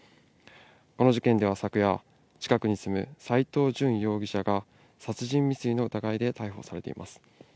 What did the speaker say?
この事件では昨夜、近くに住む斎藤淳容疑者が殺人未遂の疑いで逮捕されています。